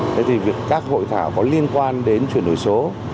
thế thì việc các hội thảo có liên quan đến truyền đổi số